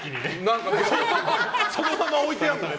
そのまま置いてあるの。